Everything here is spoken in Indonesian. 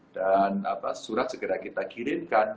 dan surat segera kita kirimkan